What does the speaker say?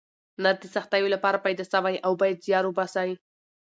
نر د سختیو لپاره پیدا سوی او باید زیار وباسئ.